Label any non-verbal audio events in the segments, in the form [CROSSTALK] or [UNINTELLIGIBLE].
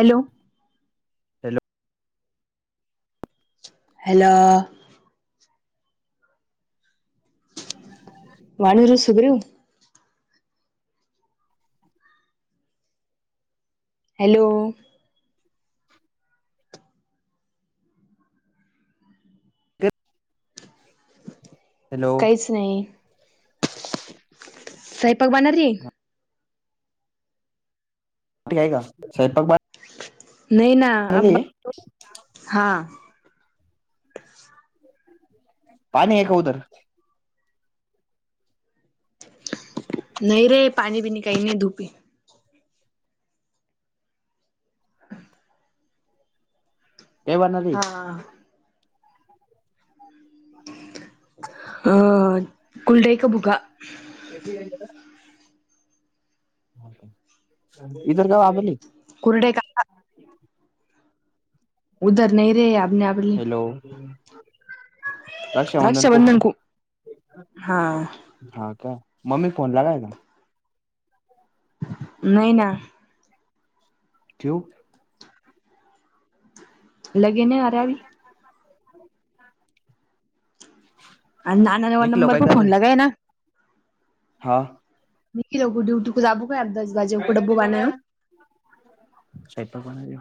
Hello hello hello वाणीर Sugriva hello तेत काहीच नाही स्वयंपाक बणारी. टी आहे का स्वयंपाक बा नाही ना [INAUDIBLE] हा. पाणी आहे का उदर? नाही रे पाणी बीनी काही नाही धूप हे. ते बणाली आं अ कुलडायकं बुघा [UNINTELLIGIBLE] इदर गाव आबोली. कुरडे का [UNINTELLIGIBLE] हॅलो रक्षाबंधन को राक्षाबंधन खू हा. हा काय मम्मी कोण लागाय का? नाही ना. ठेवू लगेने आरावी ह ह [UNINTELLIGIBLE] हां नीकीला [UNINTELLIGIBLE] जाबू काय. [UNINTELLIGIBLE] काय करते म्हणा स्वयंपाक बनवले.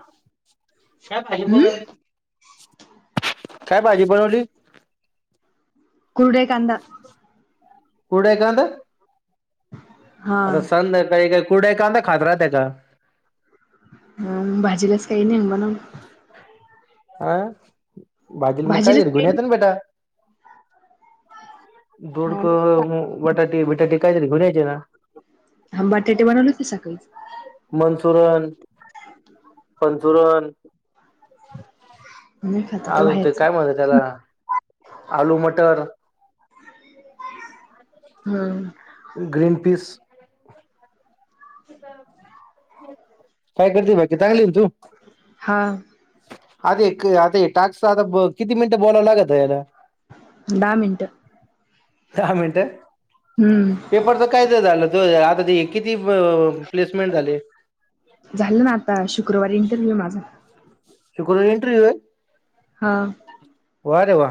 काय भाजी हम्म बनवली, काय भाजी बनवली? कुरडे कांदा कुडे एकांत हा आता संध्याकाळी काही कुडे कांदा खात राह त्याचा. हाम भाजीलाच काही नाही बनवून. आं बाजीला मग काय भाजीलाच तरी काही गुण्यातन बेटा. हा दोडकं म बटाटी बिटाटी काहीतरी घेऊन यायचे ना. हां बटाटे बनवले होते सकाळीच. मनसुरन पनचुरन नाही खात आता अजून ते बाहेरच. काय म्हणे त्याला आलू मटर हां. ग्रीन पीस काय करते बाकी चांगली आहे न तू? हा आता आता टाक्स आता किती मिनिटं बोलावं लागत याला. दहा मिनटं दहा मिनट. हम्म. पेपरच काय तर झालं त आता ते किती ब प्लेसमेंट झाले. झालं ना आता शुक्रवारी इंटरव्ह्यू माझा. शुक्रवारी इंटरव्ह्यू आहे. हां. वा रे वा.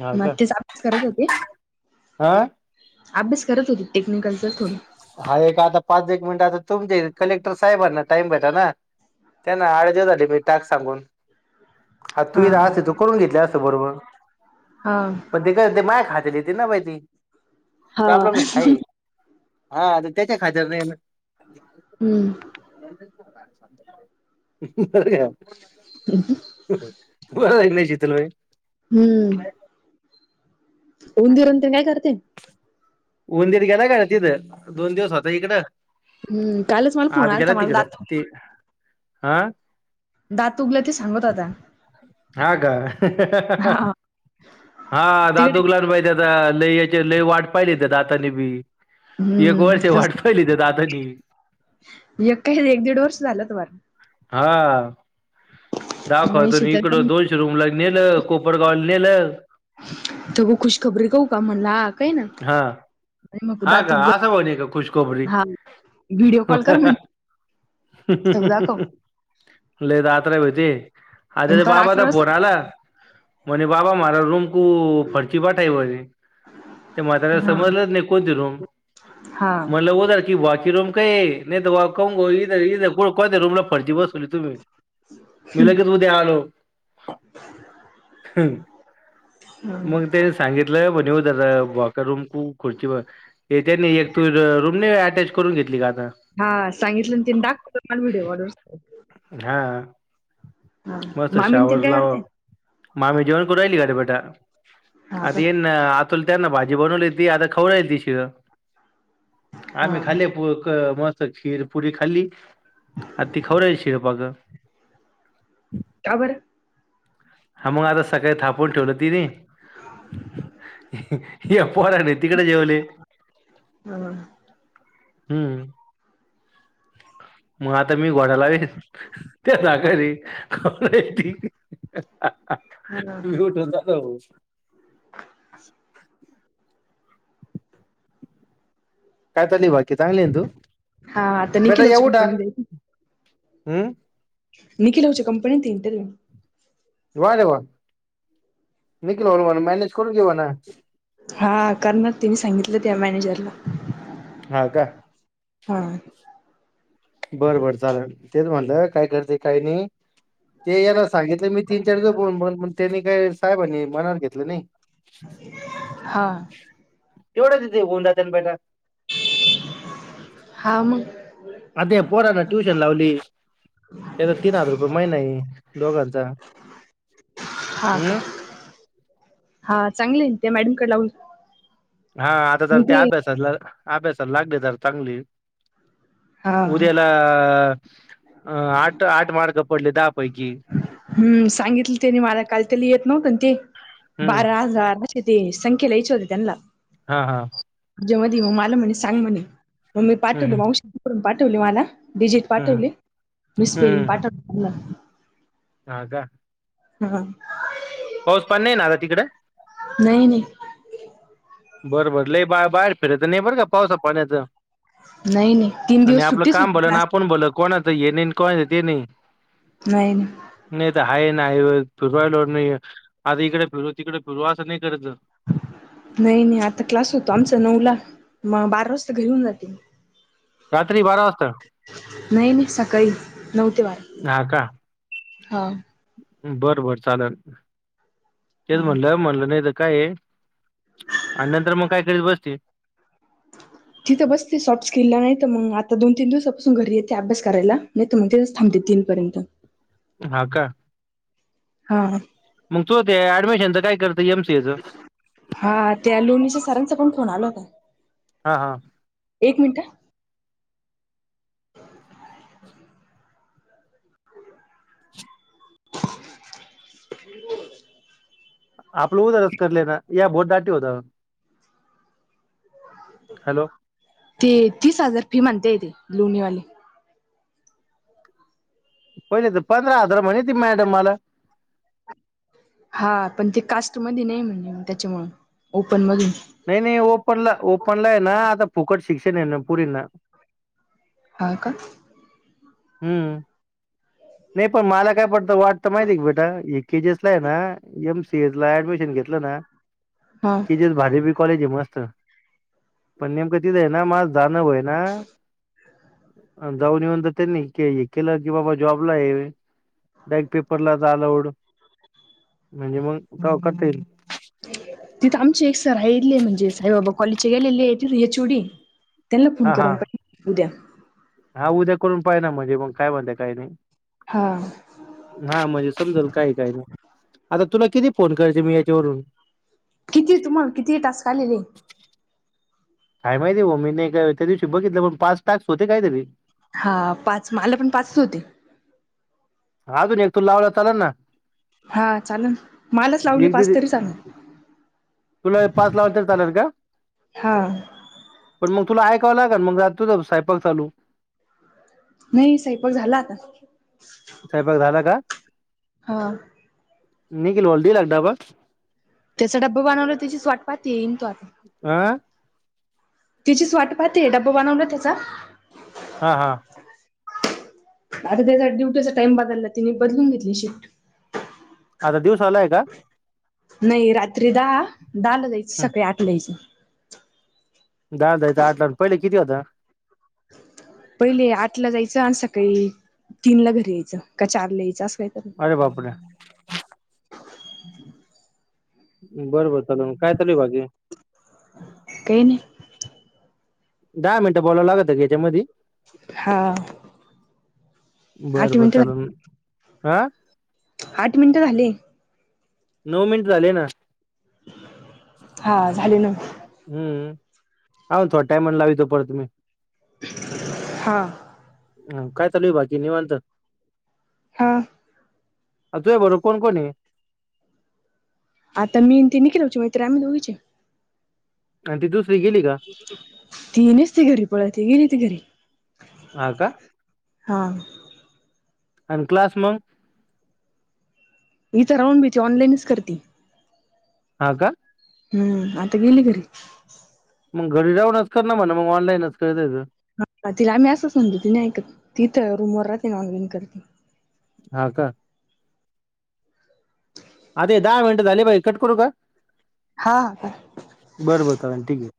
हा मग का तेच आज करत होते. हा. अभ्यास करत होते टेक्निकलचा थोड. हा एक आता पाच एक मिनिट आता तुमचे कलेक्टर साहेबांना टाइम भेटा ना. त्यां ना आळज्या झाली मी टाक सांगून आ हा तू अस तू करून घेतले अस बरोबर. हां. पण माय खातलीती ना बा ती हा प्रॉब्लेम आहे. हा त्याच्या खातर नाही. हम्म. ह हम्म अरे यार. ह हम्म. बरं नाही चितल भाई. हम्म. होंदीरूनंत काय करते. उंदीर गे ना काय तिथं दोन दिवस होता इकडं. हम्म कालच मला फोन आज घरा आलता मला तघड दात ते हह. दातूकला ते सांगत आता. हा का हा हा हा हा हा तिकडे ददूकलाान पाहिजे. लयची लय वाट पाहिली त्या दाताने बी एक हम्म वर्ष तस वाट. खय लि दे दाताची. य काही एक दीड वर्ष झालं तर बर. हा. म्हणे दाखवतो शीतल इकडं ताई दोनशे रूमला नेलं कोपडगावला नेलं. तगो खुश खबरी कू का म्हणला ह काय ना. हा आणि मग हा दात का असं उघड होणी का खुशखोबरी हा व्हिडिओ ह कॉल हा कर हा. म्हणजे हं हं पुस्तक दाखव हं हं लद आता होती अता आणि ते पार बाबादा अकरा फोन वाजता आला. मणे बाबा मारा रूम कू फर्ची बठा ते म तला हा समजलं नाही. कोणती रूम हा म्हण हो की बाकी रूम. का नाही क इर कोणत रूमला फरजी बस. तुम्ही लगेच उद्या आलो. हम्म मग तेच. सांगितलं ब रूम खूप खुर्चीेवर याच्यातनी येतं रुम. लय अटॅच करून घेतली का आता. हां सांगितलं आणि तीन दावत मला व्हिडिओढव. हा हा मस्त मामीन तेन शावर काय लावा. करताय? मामी जेवण कून राहिली गडी बेटा हा आता का येन आ त्यांना भाजी बनवली ती आता खवराय ती शिजा. हा आम्ही खाल्ले पोक मस्त खीर पुरी खाल्ली आ ती खावरायची शिरपाग. का बर. हमंग आता सकाळी थप. फोन ठेवलं तिने. या पोरांनी तिकडे जेवले. हम्म. हम्म मग आता मी घोडालावीन. त्या साखरी खावे ती. हा [UNINTELLIGIBLE] काय चाललंय बाकी, चांगली आहे ना तू? हा आता निखिलोच्या कंपनी आहे ती. अं? निखिलोच्या कंपनीत हाय इंटरव्ह्यूव? वा रे वा. निकलोला म्हण मॅनेज करून घे म्हणा. हा करणार तिने सांगितलं त्या मॅनेजरला. हा का? हा. बरं बर चालेल. तेच म्हटलं काय करते, काही नाही. ते याला सांगितलं मी तीन चारदा बोल, मग त्यांनी काय साहेबांनी मनावर घेतलं नाही. हा. तेवढेच आहे ते होऊन जाते ना बेटा. हा मग? आता ह्या पोरांना ट्यूशन लावली. ते आता तीन हजार रुपये महिना आहे दोघांचा. हा का? हम्म हा चांगले आहे नई त्या मॅडमकडे लावून हा आता जरा ते अभ्यासात अभ्यासात लागली जरा चांगली. हा उद्याला अ आठ आठ मार्क पडले तर हम्म सांगितलं त्यांनी मला. काय तेला येत नव्हतं ना ते हम्म बारा हजार. की ते संकेला विचरत होते त्यांला. हा हा. तुझ्या मधी मग मला म्हणे सांग म्हणे, मग मी हम्म पाठवले हम्म माऊशीने तिकडून पाठवले मला. डिजिट हम्म पाठवले मी हम्म स्पेलिंग हम्म. पाठवले [UNINTELLIGIBLE] हा का? हा. पाऊस पाणी नाही ना आता तिकडं? नाही नाही. बरं बरं लई बा-बाहेर फिरायचं नाही बरं का पावसा पाण्याचं. नाही नाही तीन आणि दिवस आपलं सुट्टीच काम होती भलं आणि क्लासला. आपण भलं. कोणाच हे नाही आणि कोणाच ते नाही. नाही नाही. नाही तर आहे नाही होय फिरु राहिलो मी. आता इकडे फिरु, तिकडे फिरु असं नाही करत जाऊ. नाही नाही आता क्लास होतो आमचा नऊला, मग बारा वाजता घरी येऊन जाते मी. [INAUDIBLE] बारा वाजता नाही नाही सकाळी नऊ ते बारा. हा का हा. बरं बर चालेल. तेच हा. म्हणलं म्हणलं नाही तर काय आहे आणि नंतर मग काय करीत बसती तिथं बसती सॉफ्ट स्किलला, नाही तर मग आता दोन तीन दिवसापासून घरी येते अभ्यास करायला. तुमच्याकडेच थांबते तीनपर्यंत. हा का? हा. मग तो ते ऍडमिशनच काय करती एमसीएचं? हा त्या लोणीच्या सरांचा पण फोन आला होता. हा हा. एक मिनिट हा. [INAUDIBLE] आप लो उधरस करले ना या भोट दाटी होता. हॅलो. ते तीस हजार फी म्हणते येते लोणीवाले. पहिले तर पंधरा हजार म्हणे त मॅडम मला हा पण ते कास्ट मध नाही म्हणजे त्याच्यामु ओपन मग नाही नाही ओपनला ओपनला आहे ना आता फुकट शिक्षण आहे ना पुरी ना. हो का? हम्म नाही पण मला काय पडत. ता वाटत माहिती आहे का बेटा एजीएस ला आहे ना एमसीएस ला ऍडमिशन घेतलं ना. हा. ते जेस भाडेबी कॉलेज आहे मस्त पण नेमकं तिथ आहे ना माझ? जाणवय ना जाऊन येऊन त्यांनी हे केलं की बाबा जॉबला आहे डाय पेपरला लवड. म्हणजे मग ग कर येईल. तिथं आमचे एकर राहिले म्हणजे साईबा कॉलेजचे गेलेलेच. चुडी त्यांना फोन हा हा कराून पाहि उद्या हा उद्या करून पाहि ना म्हणजे मग काय म्हणते काही नाही. हा. हा म्हणजे समजाल काही काय नाही आता तुला किती फोन करायचे मी याच्यावरून किती तुम्हाला किती तास आलेले आहे. काय माहिती आहे हो मी नाही का त्या दिवशी बघितलं पण पाच टाक्स होते काहीतरी हा पाच आला पण पाचच होते. अजून एक तू लावला चाला ना. हा चालेल मलच लावली एक पाच दीड तरी चालेल. तुला पाच ला अंतर चाल का? हा पण मग तुला ऐकावं लाग मग जातोच सायपक चालू. नाही साैपाक झाला आता स्बाग झालं का? हा. निखिल वलदी लागत. त्याचा डबबा बनवला त्याचीच स् वाटपात येईन तो आता आं. तिचीच वाट पाहतेय डब्बा बनवला त्याचा हा हा. आता त्याचा ड्युटीचा टाइम बदालला तिने बदलून घेतली शिफ्ट आ दिवसालाय का? नाही रात्री दहा दहाला जायचं सकाळी आठलायचं. दाल दय आठ लावून पहिले किती होता. पहिले आठला जायचं आणि सकाळी तीन ला घरी यायचं का चारला यायचं असं कायत. अरे बापरे बरोबर चाल काय चालू भाजी काही नाही. दहा मिनटं बोलावं लागत गी याच्यामध्ये हा. बर आठ बर चाल मिनिटं हा. आठ मिनिटं झाले. नऊ मिनिट झाले ना. हा झाले ना. हम्म हड टाइमण लाव तो परतु मी हा. हा काय चालूय बाकी निवांत. हा. आत्या आहे बरोबर कोण कोण हे. आता मी ते निखल होची माहिित [UNINTELLIGIBLE] आम्ही दोघीचे आणि ती दुसरी गेली का? तीनच ती घरी पळा तेच गेली ती घरी हा का? हां. आणि क्लास मग ही तर राहून [UNINTELLIGIBLE] ब्यायची ऑनलाईनच करती. हा का? हम्म आता गेली घरी मग घरी राहूनच करणार म्हणे मग ऑनलाईनच करताचं. हा तिला आम्ही असंच म्हणतो ती नाही ऐकत तिथं रूम वर राहते नॉन वन करते. हा का? अरे दहा मिनटं झाले बाई कट करू का? हा हा का? बरबर चाल ठीके हे.